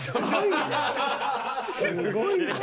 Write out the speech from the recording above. すごいね。